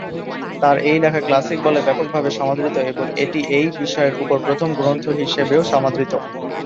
তার এই লেখা ক্লাসিক বলে ব্যাপকভাবে সমাদৃত ও এটি এই বিষয়ের উপর প্রথম গ্রন্থ হিসেবেও সমাদৃত।